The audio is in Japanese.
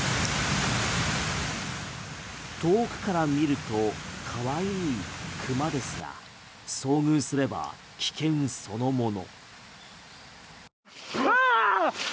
遠くから見ると可愛い熊ですが遭遇すれば危険そのもの。